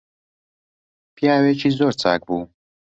پیاوێکی زۆر چاک بوو